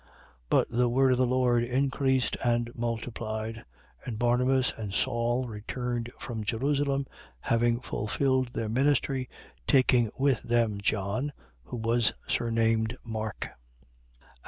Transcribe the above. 12:24. But the word of the Lord increased and multiplied. 12:25. And Barnabas and Saul, returned from Jerusalem, having fulfilled their ministry, taking with them John who was surnamed Mark.